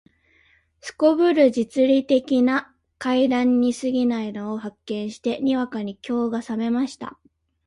頗る実利的な階段に過ぎないのを発見して、にわかに興が覚めました